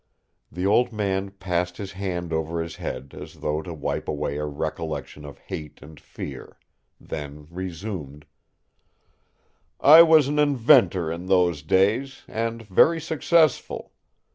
The old man passed his hand over his head as though to wipe away a recollection of hate and fear, then resumed: "I was an inventor in those days, and very successful.